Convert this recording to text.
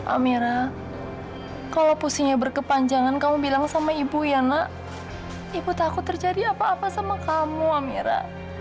amira kalau pusingnya berkepanjangan kamu bilang sama ibu ya nak ibu takut terjadi apa apa sama kamu amira